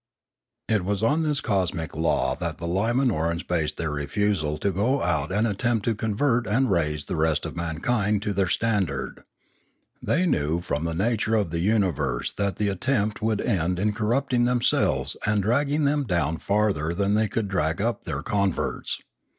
It was on this cosmic law that the L,imanorans based their refusal to go out and attempt to convert and raise the rest of mankind to their standard. They knew from the nature of the universe that the attempt would end in corrupting themselves and dragging them down farther than they could drag up their converts.